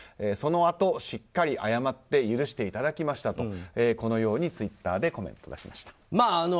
そのあと、しっかり謝って許していただきましたとツイッターでコメントしました。